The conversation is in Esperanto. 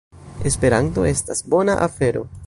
Esperanto estas bona afero!